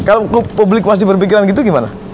kalau publik masih berpikiran gitu gimana